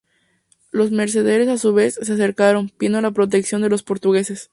Los mercaderes a su vez se acercaron, pidiendo la protección de los portugueses.